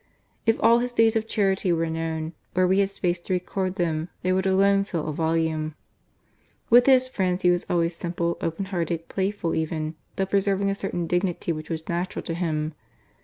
If all his deeds of charity were known, or we had space to record them, they would alone fill a volume. With his friends he was always simple, open hearted, playful even, though preserving a certain THE MAN, 265 dignity which was natural to him.